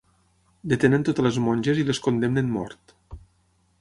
Detenen totes les monges i les condemnen mort.